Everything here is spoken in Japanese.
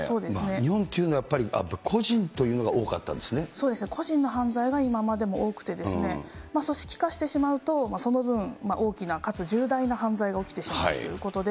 日本というのは、やっぱり個そうですね、個人の犯罪が今までも多くて、組織化してしまうと、その分、大きな、かつ重大な犯罪が起きてしまうということで。